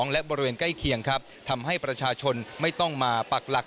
และบริเวณใกล้เคียงครับทำให้ประชาชนไม่ต้องมาปักหลัก